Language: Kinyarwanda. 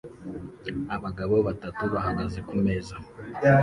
abagabo batatu bahagaze ku meza